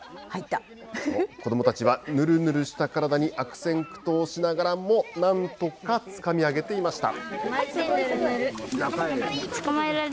子どもたちはぬるぬるした体に悪戦苦闘しながらも、なんとかつかみ上げていました。